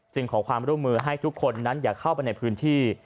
ขอความร่วมมือให้ทุกคนนั้นอย่าเข้าไปในพื้นที่